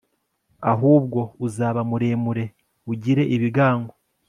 ahubwo uzaba muremure, ugire ibigango